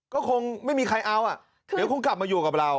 ก็คงไม่มีใครเอาอ่ะเดี๋ยวคงกลับมาอยู่กับเรา